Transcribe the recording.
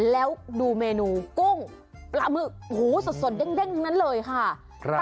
แล้วดูเมนูกุ้งปลาหมึกสดเด้งทั้งนั้นเลยค่ะ